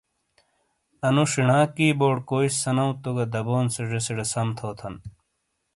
انو شینا کی بورڈ کوئی سے سَنو تو گہ دبون سے زیسیڑے سَم تھوتھن!